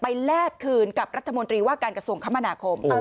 แลกคืนกับรัฐมนตรีว่าการกระทรวงคมนาคม